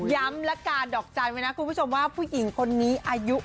ย้ำและกาดดอกจันทร์ไว้นะคุณผู้ชมว่าผู้หญิงคนนี้อายุ๖๓